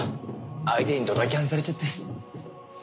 相手にドタキャンされちゃって。